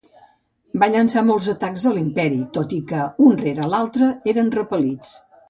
Va llançar molts atacs a l'imperi, tot i que un rere l'altre eren repel·lits.